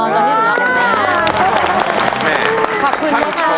อ๋อตอนนี้หนูรับคุณแม่